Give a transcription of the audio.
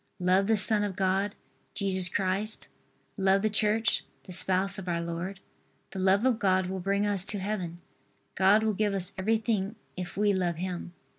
Love the Son of God, Jesus Christ, love the Church, the Spouse of our Lord. The love of God will bring us to Heaven. God will give us everything if we love Him.